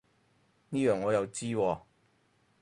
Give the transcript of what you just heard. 呢樣我又知喎